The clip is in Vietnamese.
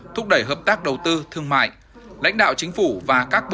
thúc đẩy hợp tác đầu tư thương mại lãnh đạo chính phủ và các bộ